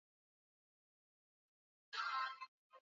kwa upande wake anaona huo ni mchakato wa kawaida wa demoskrasia